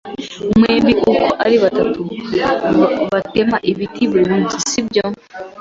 Mwembi uko ari batatu batema ibiti buri munsi, sibyo?